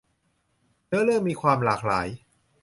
เนื้อเรื่องมีความหลากหลาย